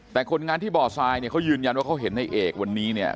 แต่คนงานที่บ่อทรายเนี่ยเขายืนยันว่าเขาเห็นในเอกวันนี้เนี่ย